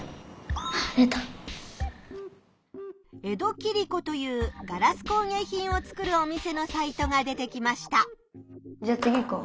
「江戸切子」というガラス工げい品を作るお店のサイトが出てきました。